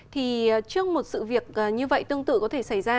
thì trước một sự việc như vậy tương tự có thể xảy ra